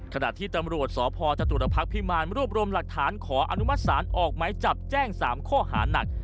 ขณะที่ตำรวจสพจตุรพักษ์พิมารรวบรวมหลักฐานขออนุมัติศาลออกไหมจับแจ้ง๓ข้อหานัก